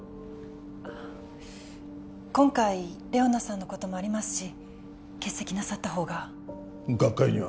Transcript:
あっ今回玲於奈さんのこともありますし欠席なさった方が学会には